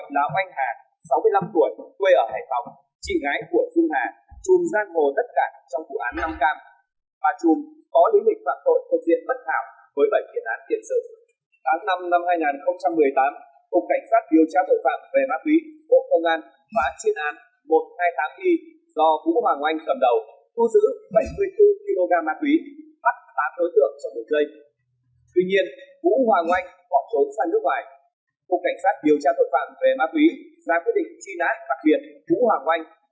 đã khi do vũ hoàng oanh cầm đầu thu giữ bảy mươi bốn kg ma túy bắt tám đối tượng trong một giây